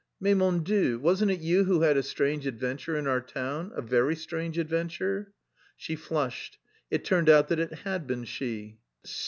"Mais, mon Dieu, wasn't it you who had a strange adventure in our town, a very strange adventure?" She flushed; it turned out that it had been she.